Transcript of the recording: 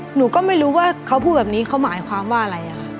หนูก็ไม่รู้ว่าเขาพูดแบบนี้เขาหมายความว่าอะไร